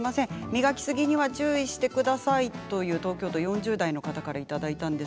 磨きすぎには注意してくださいと東京都４０代の方からいただきました。